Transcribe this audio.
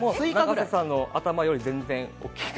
加藤さんの頭より全然。